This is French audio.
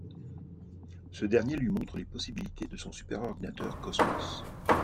Ce dernier lui montre les possibilités de son superordinateur Cosmos.